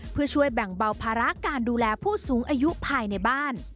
เพื่อช่วยแบ่งเบาภาระการดูแลผู้สูงอายุภายในบ้าน